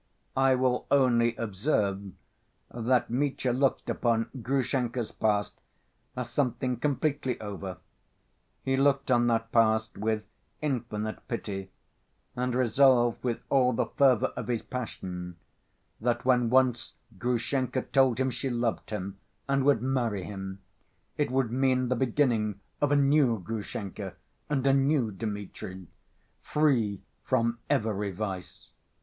I will only observe that Mitya looked upon Grushenka's past as something completely over. He looked on that past with infinite pity and resolved with all the fervor of his passion that when once Grushenka told him she loved him and would marry him, it would mean the beginning of a new Grushenka and a new Dmitri, free from every vice.